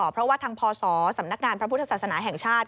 เพราะว่าทางพศสำนักงานพระพุทธศาสนาแห่งชาติ